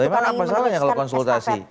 gimana apa salahnya kalau konsultasi